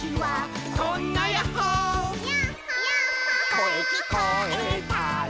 「こえきこえたら」